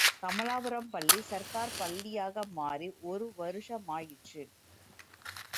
கமலாபுரம் பள்ளி, சர்க்கார் பள்ளியாக மாறி, ஒரு வருஷமாயிற்று.